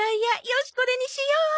よしこれにしよ。